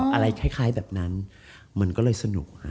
อะไรคล้ายแบบนั้นมันก็เลยสนุกฮะ